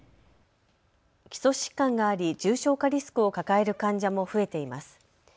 基礎疾患があり重症化リスクを抱える患者も増えています。